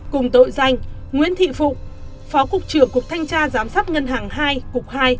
cùng tội danh nguyễn thị phụng phó cục trưởng cục thanh tra giám sát ngân hàng hai cục hai